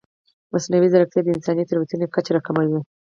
مصنوعي ځیرکتیا د انساني تېروتنو کچه راکموي.